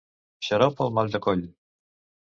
Xarop per al mal de coll.